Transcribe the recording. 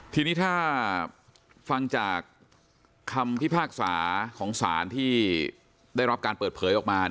ทีนี้ถ้าฟังจากคำพิพากษาของศาลที่ได้รับการเปิดเผยออกมา